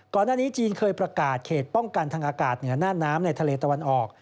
ก่อนหน้านี้จีนเคยประกาศเขตป้องกันทางอากาศเหนือหน้าน้ำในทะเลตะวันออก